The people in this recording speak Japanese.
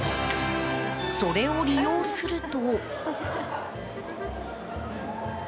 それを利用すると。